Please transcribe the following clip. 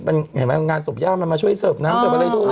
มันเห็นไหมงานศพย่ามาช่วยเสิร์ฟอ่าเสิร์ฟอะไรทุน